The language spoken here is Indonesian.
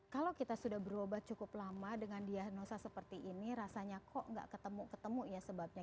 kalau kita sudah berobat cukup lama dengan diagnosa seperti ini rasanya kok nggak ketemu ketemu ya sebabnya